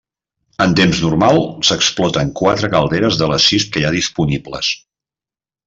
En temps normal, s'exploten quatre calderes de les sis que hi ha disponibles.